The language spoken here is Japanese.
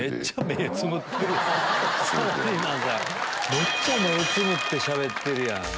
めっちゃ目つむってしゃべってるやん！